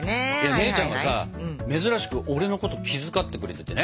姉ちゃんがさ珍しく俺のことを気遣ってくれててね。